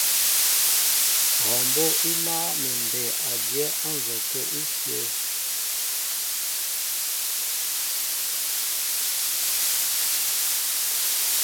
Hɔɔ mbó' í máál mi mbey a dyá á nzɔkə íshyə̂.